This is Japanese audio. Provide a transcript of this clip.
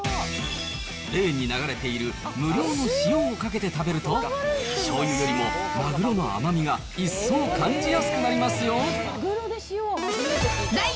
レーンに流れている無料の塩をかけて食べると、しょうゆよりも、まぐろの甘みが一層感じやすくなりますよ。